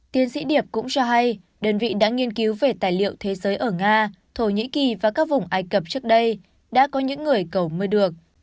tiến sĩ điệp cũng cho hay đơn vị đã nghiên cứu về tài liệu thế giới ở nga thổ nhĩ kỳ và các vùng ai cập trước đây đã có những người cầu mới được